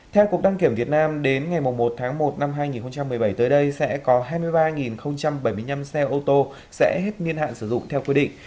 theo cục đăng kiểm việt nam đến ngày một tháng một năm hai nghìn một mươi bảy tới đây sẽ có hai mươi ba bảy mươi năm xe ô tô sẽ hết niên hạn sử dụng theo quy định